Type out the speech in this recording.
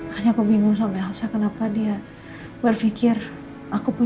hanya aku bingung sama elsa kenapa dia berpikir aku punya